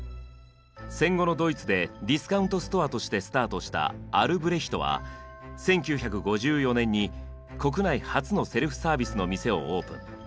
戦後のドイツでディスカウントストアとしてスタートした「アルブレヒト」は１９５４年に国内初のセルフサービスの店をオープン。